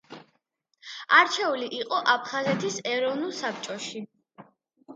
არჩეული იყო აფხაზეთის ეროვნულ საბჭოში.